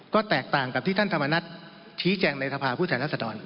ก็แตกต่างกับที่ท่านธรรมนัฐชี้แจงในสภาพผู้แทนรัศดร